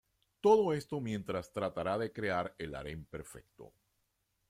Todo esto mientras tratará de crear el harem perfecto.